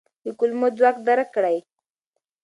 د کلمو ځواک درک کړئ.